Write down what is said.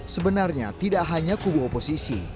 sebenarnya tidak hanya kubu oposisi